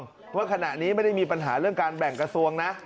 เพราะว่าขณะนี้ไม่ได้มีปัญหาเรื่องการแบ่งกระทรวงนะ